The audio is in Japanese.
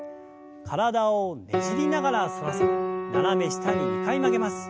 体をねじりながら反らせ斜め下に２回曲げます。